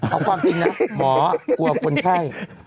เอาความจริงนะหมอกลัวคนไข้